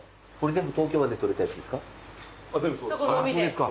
全部そうです。